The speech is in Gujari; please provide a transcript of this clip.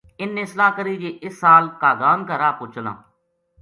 اِنھ نے صلاح کری جے اس سال کاگان کا راہ پو چلاں